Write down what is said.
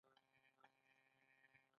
د دوی په اند دا شیان په انسان باندې مسلط وو